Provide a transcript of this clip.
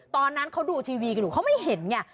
ตอนนั้นเขาดูทีวีกันดูขอไม่เห็นเนี่ย